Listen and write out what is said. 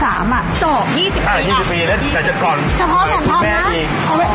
อ่ะ๒๐ปีแต่จะก่อนแม่เอง